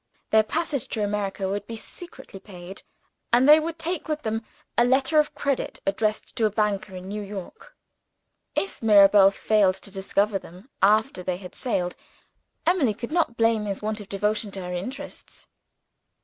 Their passage to America would be secretly paid; and they would take with them a letter of credit addressed to a banker in New York. If Mirabel failed to discover them, after they had sailed, Emily could not blame his want of devotion to her interests.